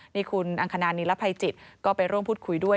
นี่คุณอังคณานิรภัยจิตก็ไปร่วมพูดคุยด้วย